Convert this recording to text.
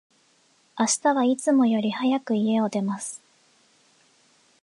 明日は、いつもより早く、家を出ます。